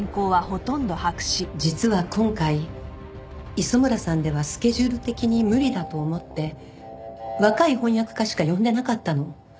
実は今回磯村さんではスケジュール的に無理だと思って若い翻訳家しか呼んでなかったの。